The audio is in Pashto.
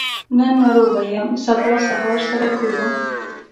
نن ناروغه يم سبا سهار سره ګورو